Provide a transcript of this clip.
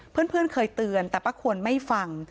เพื่อนเคยเตือนแต่ป้าควรไม่ฟัง